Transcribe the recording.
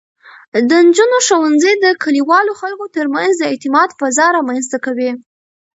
د نجونو ښوونځی د کلیوالو خلکو ترمنځ د اعتماد فضا رامینځته کوي.